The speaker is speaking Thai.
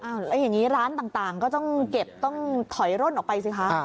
แล้วอย่างนี้ร้านต่างก็ต้องเก็บต้องถอยร่นออกไปสิคะ